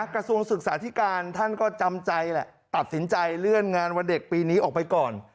กระทรวงศึกษาธิการท่านก็จำใจแหละตัดสินใจเลื่อนงานวันเด็กปีนี้ออกไปก่อน